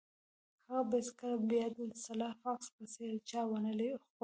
هغه به هیڅکله بیا د سلای فاکس په څیر چا ونه غولیږي